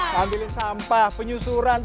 ngambilin sampah penyusuran